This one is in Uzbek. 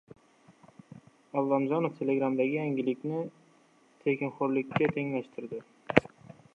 Allamjonov Telegram’dagi yangilikni tekinxo‘rlikka tenglashtirdi